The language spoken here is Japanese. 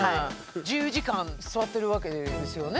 １０時間座ってるわけですよね